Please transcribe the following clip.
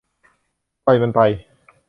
ปล่อยมันไป